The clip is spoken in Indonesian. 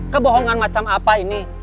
kebohongan macam apa ini